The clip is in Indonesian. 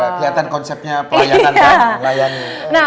kelihatan konsepnya pelayanan kan